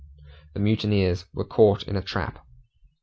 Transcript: The mutineers were caught in a trap.